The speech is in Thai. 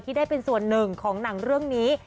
ได้เป็นส่วนหนึ่งของหนังเรื่องนี้